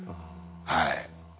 はい。